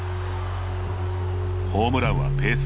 ホームランはペース